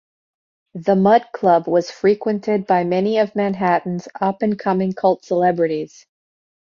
The Mudd Club was frequented by many of Manhattan's up-and-coming cult celebrities.